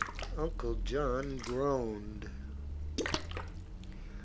Uncle John groaned.